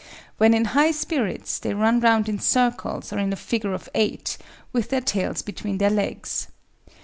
When in high spirits they run round in circles or in a figure of eight, with their tails between their legs.